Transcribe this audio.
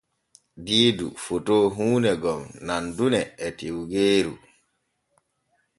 Diidu foto huune gon nandune e tiwgeeru.